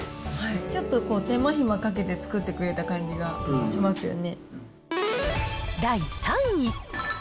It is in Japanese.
ちょっとこう、手間暇かけて作ってくれた感じがしますよね。